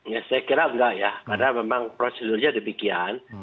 ya saya kira enggak ya karena memang prosedurnya demikian